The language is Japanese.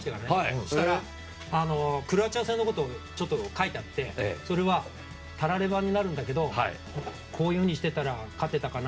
そうしたら、クロアチア戦のこと書いてあってそれは、たらればになるんだけどこういうふうにしてたら勝てたかな。